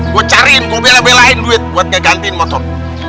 gua cariin gua belain belain duit buat ngegantiin motor